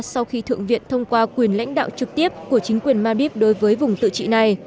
sau khi thượng viện thông qua quyền lãnh đạo trực tiếp của chính quyền madib đối với vùng tự trị này